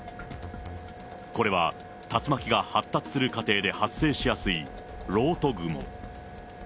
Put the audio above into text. これは竜巻が発達する過程で発生しやすい漏斗雲。